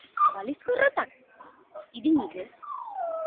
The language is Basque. Balizko errotak, irinik ez.